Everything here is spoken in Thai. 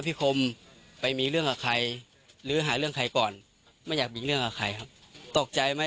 คมไปมีเรื่องกับใครหรือหาเรื่องใครก่อนไม่อยากมีเรื่องกับใครครับตกใจไหม